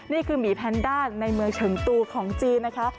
หมีแพนด้าในเมืองเชิงตูของจีนนะคะ